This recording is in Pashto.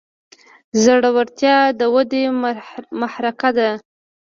زړورتیا د ودې محرکه ده.